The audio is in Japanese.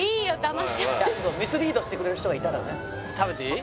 ミスリードしてくれる人がいたらね食べていい？